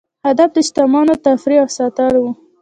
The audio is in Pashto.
هدف د شتمنو تفریح او ساتل وو.